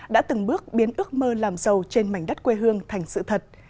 đã từng bước biến ước mơ làm giàu trên mảnh đất quê hương thành sự thật